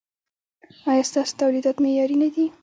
ایا ستاسو تولیدات معیاري نه دي؟